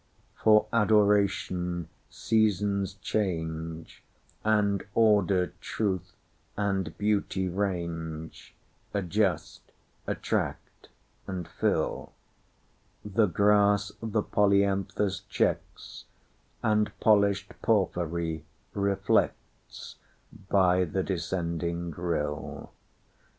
For Adoration seasons change, And order, truth, and beauty range, Adjust, attract, and fill:The grass the polyanthus checks; And polished porphyry reflects, By the descending rill.